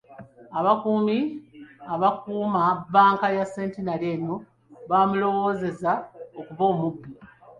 Abakuumi abakuuuma bbanka ya Centenary eno gye baamulowooleza okuba omubbi.